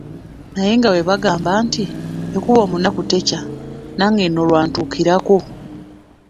Naye nga bwe bagamba nti; "ekuba omunaku tekya." nange nno lwantuukirako.